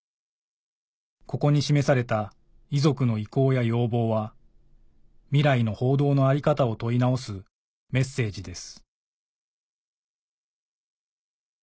ここに示された遺族の意向や要望は未来の報道の在り方を問い直すメッセージです